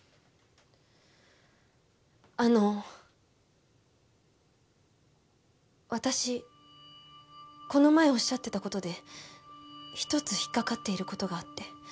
あの私この前おっしゃってた事で一つ引っかかっている事があって。